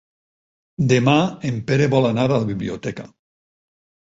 Demà en Pere vol anar a la biblioteca.